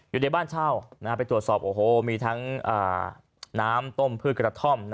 อยู่ในบ้านเช่าไปตรวจสอบโอ้โหมีทั้งน้ำต้มพืชกระท่อม